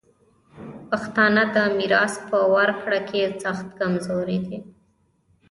پښتانه د میراث په ورکړه کي سخت کمزوري دي.